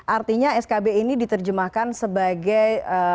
artinya skb ini diterjemahkan sebagai